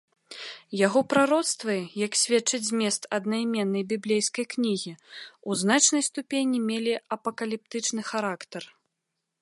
Яго прароцтвы, як сведчыць змест аднайменнай біблейскай кнігі, у значнай ступені мелі апакаліптычны характар.